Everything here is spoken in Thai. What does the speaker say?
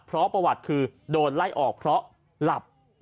เพราะประวัติคือโดนไล่ออกเพราะหลับ